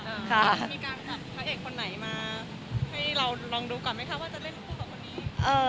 มีการหัดพระเอกคนไหนมาให้เราลองดูก่อนไหมคะว่าจะเล่นคู่กับคนนี้